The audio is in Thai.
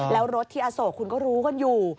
แล้วรถที่อโศกคุณก็รู้กันอยู่